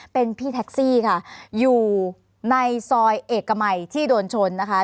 เป็นพี่แท็กซี่ค่ะอยู่ในซอยเอกมัยที่โดนชนนะคะ